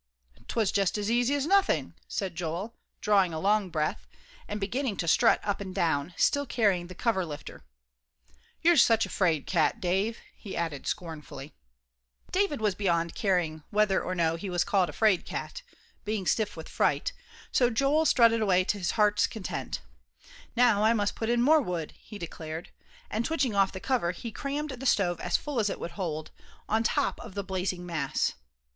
"'Twas just as easy as nothing," said Joel, drawing a long breath, and beginning to strut up and down, still carrying the cover lifter. "You're such a 'fraid cat, Dave," he added scornfully. David was beyond caring whether or no he was called a 'fraid cat, being stiff with fright, so Joel strutted away to his heart's content. "Now I must put in more wood," he declared, and, twitching off the cover, he crammed the stove as full as it would hold, on top of the blazing mass.